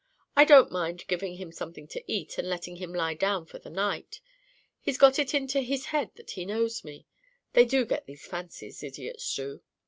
I don't mind giving him something to eat, and letting him lie down for the night. He's got it into his head that he knows me—they do get these fancies, idiots do.